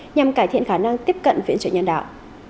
nhằm cải thiện khả năng tiếp cận viện trợ nhân đạo